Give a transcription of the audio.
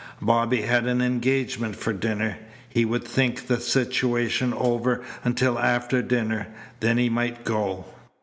Bobby had an engagement for dinner. He would think the situation over until after dinner, then he might go.